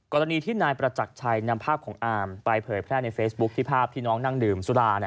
กรณีที่นายประจักรชัยนำภาพของอามไปเผยแพร่ในเฟซบุ๊คที่ภาพที่น้องนั่งดื่มสุรา